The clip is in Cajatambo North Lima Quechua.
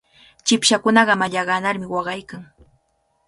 Chipshakunaqa mallaqanarmi waqaykan.